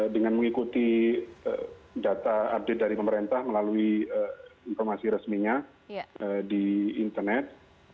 dengan mengikuti data update dari pemerintah melalui informasi resminya di internet